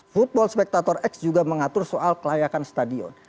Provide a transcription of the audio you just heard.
football spectator x juga mengatur soal kelayakan stadion